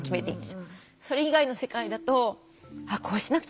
それ以外の世界だと「ああこうしなくちゃいけない」